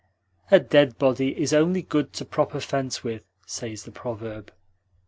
'A dead body is only good to prop a fence with,' says the proverb."